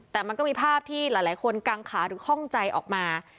แต่มันก็มีภาพที่หลายคนกังขาหรือข้องใจออกมา